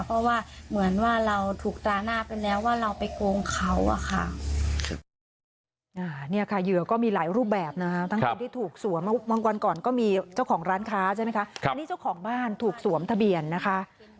เพราะว่าเหมือนว่าเราถูกตราหน้าไปแล้วว่าเราไปโกงเขาอะค่ะ